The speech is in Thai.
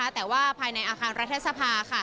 แต่ว่าภายในอาคารรัฐสภา